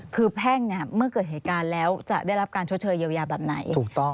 คือแพ่งเนี่ยเมื่อเกิดเหตุการณ์แล้วจะได้รับการชดเชยเยียวยาแบบไหนถูกต้อง